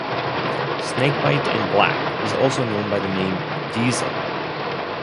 Snakebite and black is also known by the name diesel.